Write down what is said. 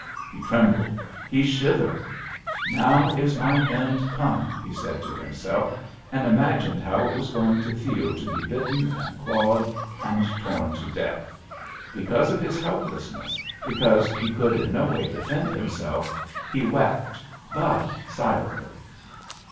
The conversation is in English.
He trembled; he shivered. 'Now is my end come!' he said to himself, and imagined how it was going to feel to be bitten and clawed and torn to death. Because of his helplessness, because he could in no way defend himself, he wept; but silently.